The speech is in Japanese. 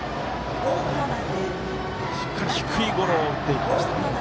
しっかり低いゴロを打っていきました。